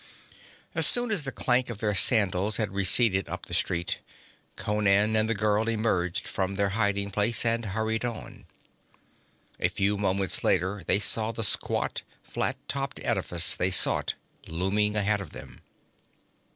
As soon as the clang of their sandals had receded up the street, Conan and the girl emerged from their hiding place and hurried on. A few moments later they saw the squat, flat topped edifice they sought looming ahead of them.